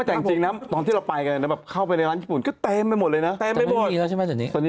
แต่จริงนะตอนที่เราไปกันแบบเข้าไปในร้านญี่ปุ่นก็เต็มไปหมดเลยนะ